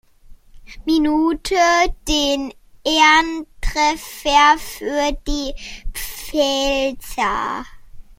Minute den Ehrentreffer für die Pfälzer.